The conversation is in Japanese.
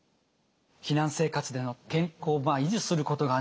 避難生活での健康を維持することがね